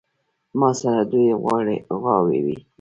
ماسره دوې غواوې دي